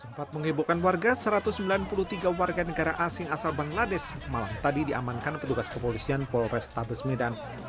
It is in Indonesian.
sempat menghiburkan warga satu ratus sembilan puluh tiga warga negara asing asal bangladesh malam tadi diamankan petugas kepolisian polrestabes medan